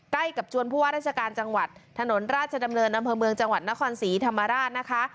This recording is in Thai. ใกล้กับจวนผู้ว่าราชการจังหวัดถนนราชดำเนินอำเภอเมืองจังหวัดนครศรีธรรมราชนะคะ